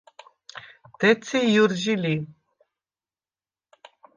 დეცი ჲჷრჟი ლი.